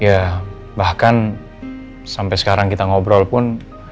ya bahkan sampai sekarang kita ngobrol pun